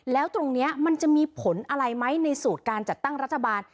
แล้วตรงนี้มันจะมีผลอะไรไหมในสูตรการจัดตั้งรัฐบาล